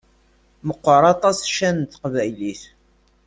Meqqeṛ aṭas ccan n teqbaylit!